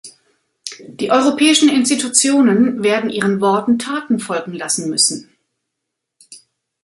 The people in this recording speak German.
Die Europäischen Institutionen werden ihren Worten Taten folgen lassen müssen.